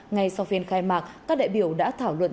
ngay sau phiên khai mạc các đại biểu đã thảo luận